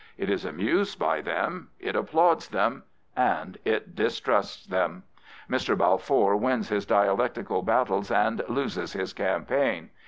It is amused by them; it applauds them; and it distrusts them. Mr. Balfour wins his dialectical battles and loses his campaign.